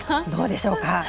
どうでしょうか。